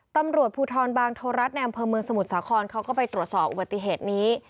ตำรวจภูทรบางโทรรัฐในอำเภอเมืองสมุทรสาครเขาก็ไปตรวจสอบอุบัติเหตุนี้